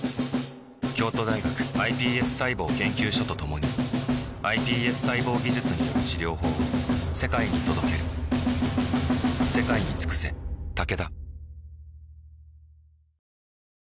京都大学ｉＰＳ細胞研究所と共にｉＰＳ細胞技術による治療法を世界に届ける［冬でも日中は汗ばむ陽気］